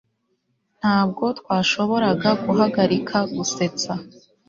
Ntabwo twashoboraga guhagarika gusetsa